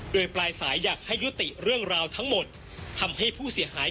โดยปลายสายอยากให้ยุติเรื่องราวทั้งหมดทำให้ผู้เสียหาย